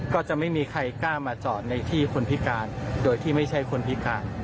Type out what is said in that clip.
ก็จะไม่มีใครกล้ามาจอดในที่คนพิการโดยที่ไม่ใช่คนพิการ